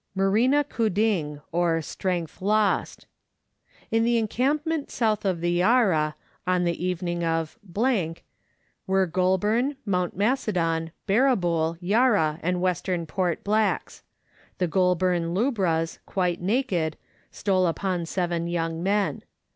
Murrina Kooding, or Strength Lost. In the encampment south of the Yarra, on the evening of l were Goul burn, Mount Macedon, Barrabool, Yarra, and Western Port blacks. The Goulburn lubras, quite naked, stole upon seven young men.